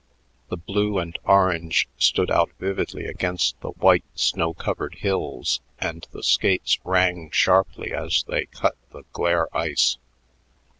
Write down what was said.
The blue and orange stood out vividly against the white snow covered hills, and the skates rang sharply as they cut the glare ice.